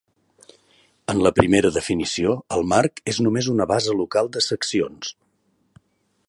En la primera definició, el marc és només una base local de seccions.